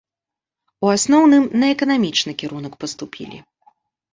У асноўным, на эканамічны кірунак паступілі.